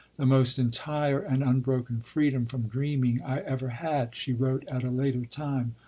"The most entire and unbroken freedom from dreaming I ever had," she wrote at a later time.